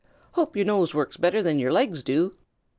"Hope your nose works better than your legs do."